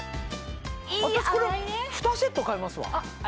私これ２セット買いますわ。